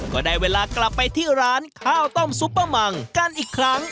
ก็ได้เวลากลับไปที่ร้านข้าวต้มซุปเปอร์มังกันอีกครั้ง